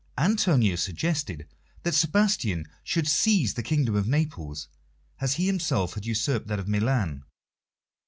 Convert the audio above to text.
Antonio suggested that Sebastian should seize the kingdom of Naples, as he himself had usurped that of Milan.